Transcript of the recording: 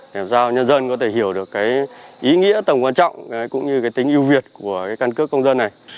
để làm sao nhân dân có thể hiểu được ý nghĩa tầm quan trọng cũng như tính yêu việt của căn cước công dân này